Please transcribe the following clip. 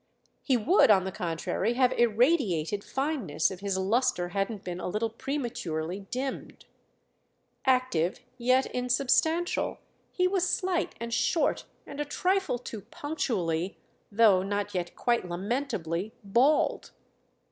He would on the contrary have irradiated fineness if his lustre hadn't been a little prematurely dimmed. Active yet insubstantial, he was slight and short and a trifle too punctually, though not yet quite lamentably, bald.